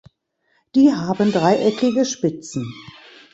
Die haben dreieckige Spitzen.